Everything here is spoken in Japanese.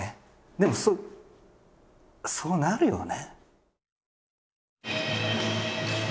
でもそうなるよね。